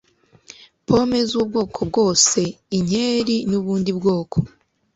pome zubwoko bwose inkeri nubundi bwoko